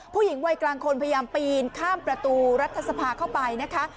ผู้หญิงวัยกลางคนพยายามปีนข้ามประตูรัฐสภาเข้าไปนะคะ